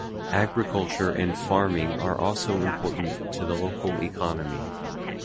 Agriculture and farming are also important to the local economy.